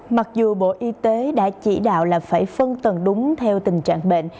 mặc dù bộ y tế đã chỉ đạo là phải phân tầng đúng theo tình trạng bệnh